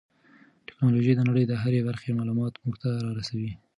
ټیکنالوژي د نړۍ د هرې برخې معلومات موږ ته را رسوي.